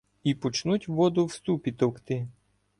І почнуть воду в ступі товкти.